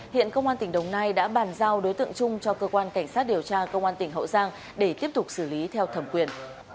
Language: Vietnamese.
hiện công an tỉnh đồng nai đã bàn giao đối tượng trung cho cơ quan cảnh sát điều tra công an tỉnh hậu giang để tiếp tục xử lý theo thẩm quyền